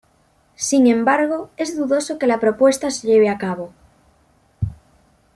Sin embargo, es dudoso que la propuesta se lleve a cabo.